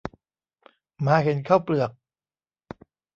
หมาเห็นข้าวเปลือก